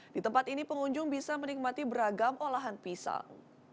di tempat ini pengunjung bisa menikmati beragam olahan pisang